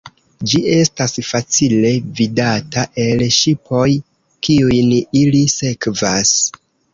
Ĝi estas facile vidata el ŝipoj, kiujn ili sekvas.